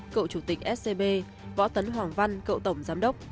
cậu chủ tịch scb võ tấn hoàng văn cậu tổng giám đốc